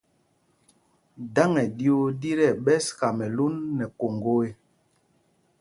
Dǎŋ í ɗyuu ɗí tí ɛɓɛs Kamɛlún nɛ Koŋgo ê.